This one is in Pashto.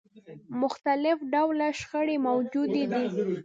مختلف ډوله شخړې موجودې دي.